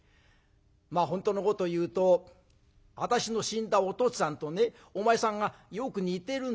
まあ本当のこと言うと私の死んだお父つぁんとねお前さんがよく似てるんだよ。